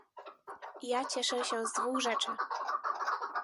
Ja cieszę się z dwóch rzeczy